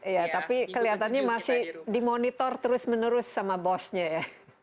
iya tapi kelihatannya masih dimonitor terus menerus sama bosnya ya